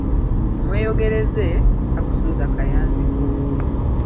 Omweyogereze, takusuuza kayanzi ko.